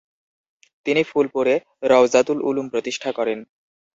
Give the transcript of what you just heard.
তিনি ফুলপুরে রওযাতুল উলুম প্রতিষ্ঠা করেন।